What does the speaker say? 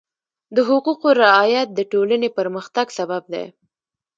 د حقوقو رعایت د ټولنې پرمختګ سبب دی.